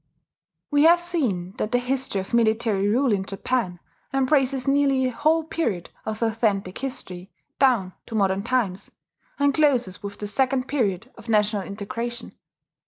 ] We have seen that the history of military rule in Japan embraces nearly the whole period of authentic history, down to modern times, and closes with the second period of national integration.